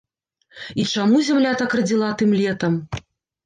І чаму зямля так радзіла тым летам?